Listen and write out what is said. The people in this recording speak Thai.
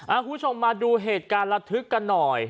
คุณผู้ชมมาดูเหตุการณ์ระทึกกันหน่อย